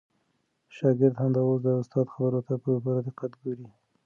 شاګرد همدا اوس د استاد خبرو ته په پوره دقت ګوري.